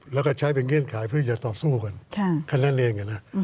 แล้วก็ใช้เป็นเงี่ยนข่ายเพื่ออย่าต่อสู้กันคลานรับเนียงกันนะ